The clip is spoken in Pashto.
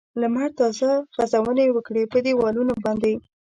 لمر تازه غځونې وکړې په دېوالونو باندې.